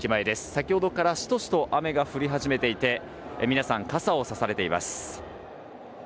先ほどからシトシト雨が降り始めていて皆さん、傘をさされています。